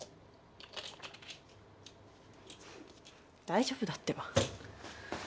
大丈夫だってば。